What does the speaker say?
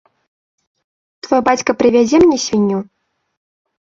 Твой бацька прывязе мне свінню?